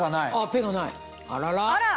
「ペ」がないあらら？